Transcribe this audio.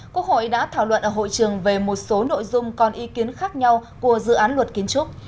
quốc hội đã thảo luận ở hội trường về một số nội dung còn ý kiến khác nhau của dự án luật kiến trúc